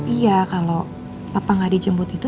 iya kalau papa nggak dijemput itu